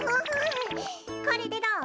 これでどう？